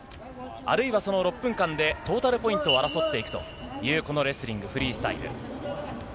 あるいはその６分間でトータルポイントを争っていくという、このレスリングフリースタイル。